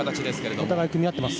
お互い組み合っています。